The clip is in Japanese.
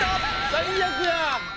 最悪や！